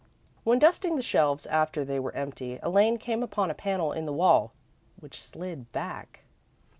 When dusting the shelves, after they were empty, Elaine came upon a panel in the wall which slid back.